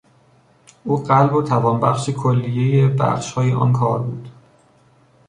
او قلب و توانبخش کلیهی بخشهای آن کار بود.